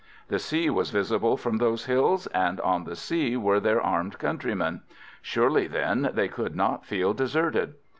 The sea was visible from those hills, and on the sea were their armed countrymen. Surely, then, they could not feel deserted.